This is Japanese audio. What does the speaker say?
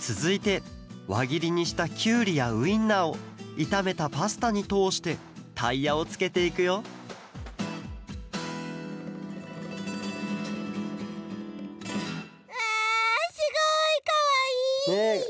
つづいてわぎりにしたキュウリやウインナーをいためたパスタにとおしてタイヤをつけていくようわすごいかわいい！